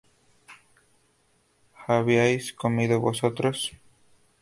¿habíais comido vosotros?